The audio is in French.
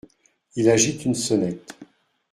Il agite une sonnette.